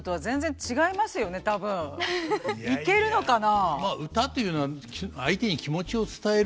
いけるのかな？